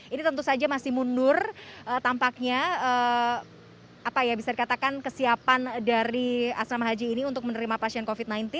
ini tentu saja masih mundur tampaknya bisa dikatakan kesiapan dari asrama haji ini untuk menerima pasien covid sembilan belas